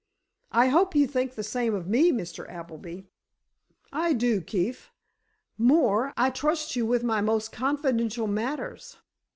"I hope you think the same of me, Mr. Appleby." "I do, Keefe. More, I trust you with my most confidential matters.